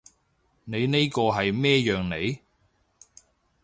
你呢個係咩樣嚟？